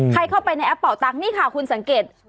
เข้าไปในแอปเป่าตังค์นี่ค่ะคุณสังเกต